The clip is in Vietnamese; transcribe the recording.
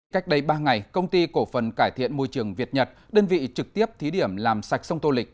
cách đây ba ngày công ty cổ phần cải thiện môi trường việt nhật đơn vị trực tiếp thí điểm làm sạch sông tô lịch